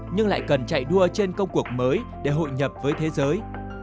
nhưng lại cần chạy đua trên công cuộc mới để hội nhập với thế giới